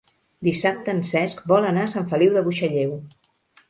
Dissabte en Cesc vol anar a Sant Feliu de Buixalleu.